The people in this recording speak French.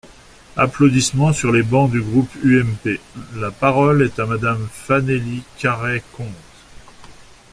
(Applaudissements sur les bancs du groupe UMP.) La parole est à Madame Fanélie Carrey-Conte.